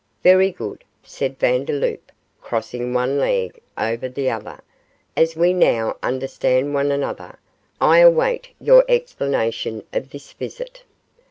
'Very good,' said Vandeloup, crossing one leg over the other. 'As we now understand one another, I await your explanation of this visit.